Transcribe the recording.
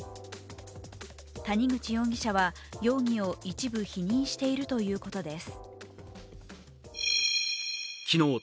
谷口容疑者は容疑を一部否認しているということです。